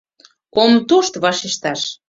Ом тошт вашешташ.